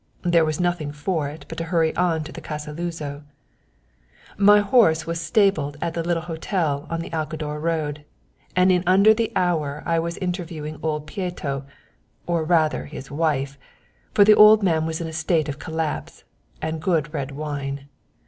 There was nothing for it but to hurry on to the Casa Luzo. "My horse was stabled at the little hotel on the Alcador road, and in under the hour I was interviewing old Pieto, or rather his wife, for the old man was in a state of collapse and good red wine."